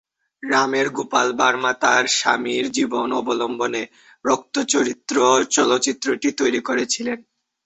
রামের গোপাল ভার্মা তাঁর স্বামীর জীবন অবলম্বনে "রক্ত চরিত্র" চলচ্চিত্রটি তৈরি করেছিলেন।